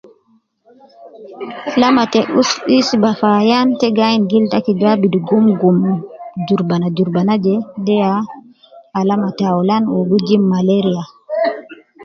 Alama te uus isbah fi ayan ta gi ayin gildu taki gi abidu gumgum jurubana jurubana jee ,deya alama taulan wu gijib malaria